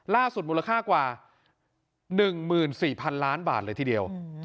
มูลค่ากว่า๑๔๐๐๐ล้านบาทเลยทีเดียว